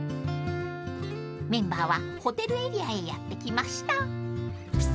［メンバーはホテルエリアへやって来ました］